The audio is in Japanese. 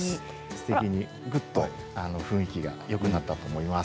すてきにぐっと雰囲気がよくなったと思います。